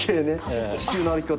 『地球の歩き方』